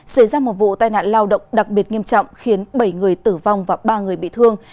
xảy ra một vụ tai nạn lao động đặc biệt nghiêm trọng khiến bảy người tử vong và ba người bị thương